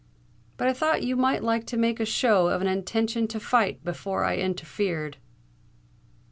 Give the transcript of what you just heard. "But I thought you might like to make a show of an intention to fight, before I interfered."